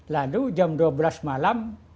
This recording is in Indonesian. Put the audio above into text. lalu jam dua belas malam